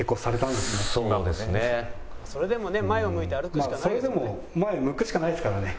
「それでもね前を向いて歩くしかないですもんね」。